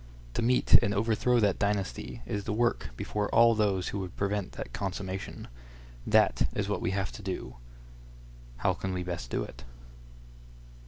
To meet and overthrow that dynasty is the work before all those who would prevent that consummation. That is what we have to do. How can we best do it?